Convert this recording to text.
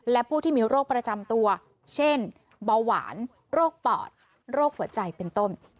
และผู้ที่มีโรคประจำตัวเช่นเบาหวานโรคปอดโรคหัวใจเป็นต้น